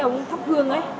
ông ấy thắp hương ấy